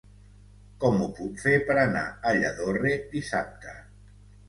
Com ho puc fer per anar a Lladorre dissabte?